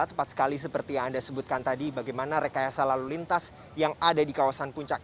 tepat sekali seperti yang anda sebutkan tadi bagaimana rekayasa lalu lintas yang ada di kawasan puncak